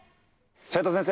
斉藤先生